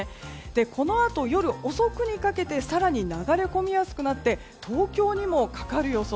このあと夜遅くにかけて更に流れ込みやすくなって東京にもかかる予想。